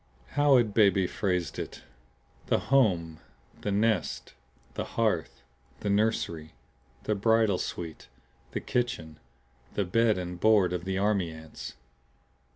How had Beebe * phrased it "the home, the nest, the hearth, the nursery, the bridal suite, the kitchen, the bed and board of the army ants."